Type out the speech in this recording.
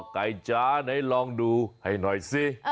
อ้อไก่จ้าให้ลองดูให้หน่อยซิ